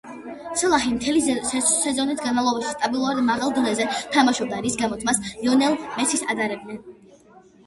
სალაჰი მთელი სეზონის განმავლობაში სტაბილურად მაღალ დონეზე თამაშობდა, რის გამოც მას ლიონელ მესის ადარებდნენ.